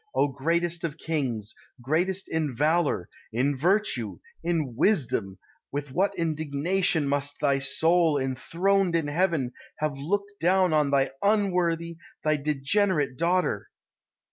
O greatest of kings, greatest in valour, in virtue, in wisdom, with what indignation must thy soul, enthroned in heaven, have looked down on thy unworthy, thy degenerate daughter!